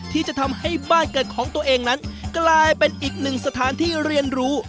ที่จะทำให้บ้านเกิดของตัวเองนั้นกลายเป็นอีกหนึ่งสถานที่เรียนรู้